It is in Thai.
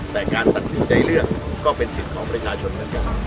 แต่การตัดสินใจเลือกก็เป็นสิทธิ์ของประชาชนเหมือนกัน